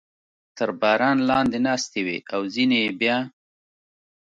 تر باران لاندې ناستې وې او ځینې یې بیا.